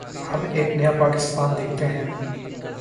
ہم ایک نیا پاکستان دیکھتے ہیں۔